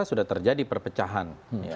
sudah terjadi perpecahan